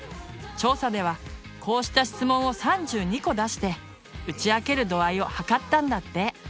調査ではこうした質問を３２個出して打ち明ける度合いをはかったんだって。